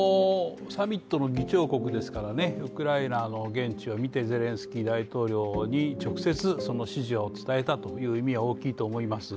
サミットの議長国ですからウクライナの現地を見て、ゼレンスキー大統領に直接その支持を伝えたという意味は大きいと思います。